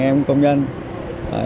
bọn em đi làm công nhân như bọn em